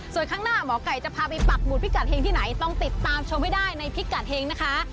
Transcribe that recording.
ส่วนข้างหน้าหมอไก่จะพาไปปักหุดพิกัดเฮงที่ไหนต้องติดตามชมให้ได้ในพิกัดเฮงนะคะ